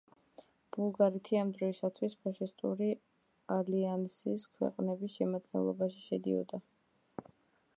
ბულგარეთი ამ დროისათვის ფაშისტური ალიანსის ქვეყნების შემადგენლობაში შედიოდა.